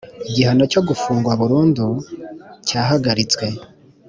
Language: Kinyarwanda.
igihano cyo gufungwa burundu cyahagaritswe